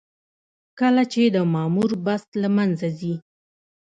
کله چې د مامور بست له منځه ځي.